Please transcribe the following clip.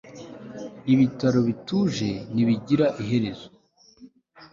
Ibitaro bituje ntibigira iherezo